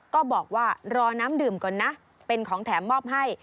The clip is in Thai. ก็บอกว่ารอน้ำดื่มก่อนนะเป็นของแถมมอบให้